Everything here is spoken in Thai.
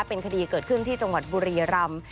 เป็นคดีเกิดขึ้นที่จังหวัดบุรียรำ